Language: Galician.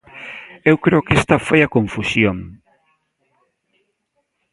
Eu creo que esta foi a confusión.